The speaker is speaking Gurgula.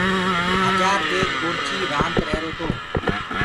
هجآر ديگ بورچي رآند هيرو تو